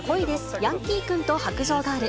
ヤンキー君と白杖ガール。